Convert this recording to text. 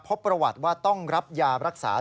พบประวัติว่าต้องรับยารักษา